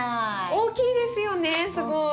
大きいですよねすごい。